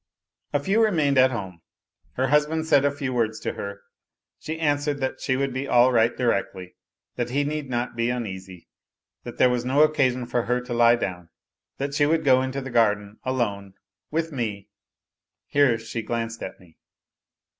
A few remained at home. Her husband said a few words to her; she answered that she would be all right directly, that he need not be uneasy, that there was no occasion for her to lie down, that she would go into the garden, alone ... with me ... here she glanced at me.